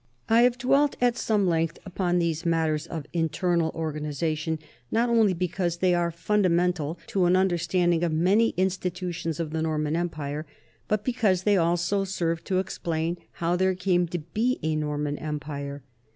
I have dwelt at some length upon these matters of internal organization, not only because they are fun damental to an understanding of many institutions of the Norman empire, but because they also serve to ex plain how there came to be a Norman empire.